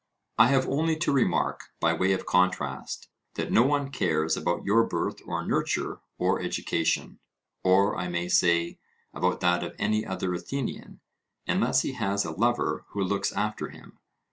I have only to remark, by way of contrast, that no one cares about your birth or nurture or education, or, I may say, about that of any other Athenian, unless he has a lover who looks after him.